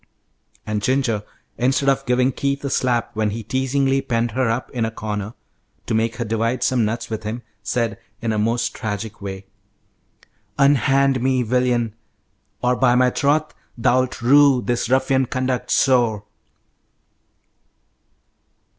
And Ginger, instead of giving Keith a slap when he teasingly penned her up in a corner, to make her divide some nuts with him, said, in a most tragic way, "Unhand me, villain, or by my troth thou'lt rue this ruffian conduct sore!"